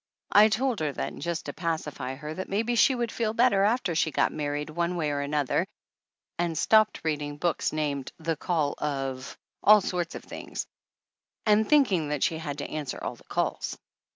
I told her then just to pacify her that maybe she would feel better after she got married one way or another and stopped reading books named The Call of all sorts of things, and think ing that she had to answer all the calls.